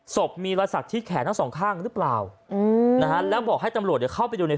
มีรอยสักที่แขนทั้งสองข้างหรือเปล่าอืมนะฮะแล้วบอกให้ตำรวจเนี่ยเข้าไปดูใน